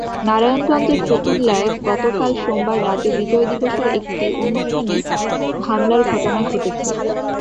নারায়ণগঞ্জের ফতুল্লায় গতকাল সোমবার রাতে বিজয় দিবসের একটি অনুষ্ঠানে হামলার ঘটনা ঘটেছে।